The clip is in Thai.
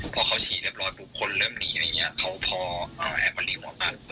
พอเขาฉี่เรียบร้อยก็คนนั้นเริ่มหนีแล้วแอบมาริวอากาศมา